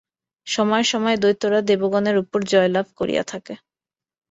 সময়ে সময়ে দৈত্যেরা দেবগণের উপর জয়লাভ করিয়া থাকে।